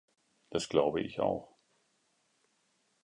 Das glaube ich auch.